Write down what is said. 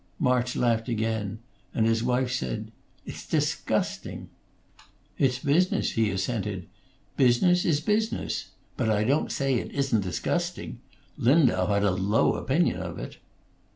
March laughed again, and his wife said, "It's disgusting." "It's business," he assented. "Business is business; but I don't say it isn't disgusting. Lindau had a low opinion of it."